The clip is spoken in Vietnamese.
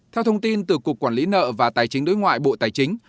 theo thông tin từ cục quản lý nợ và tài chính đối ngoại bộ tài chính